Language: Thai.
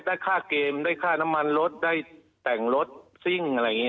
คือขอได้ค่าเกมได้ค่าน้ำมันรถได้แต่งรถซิ่ง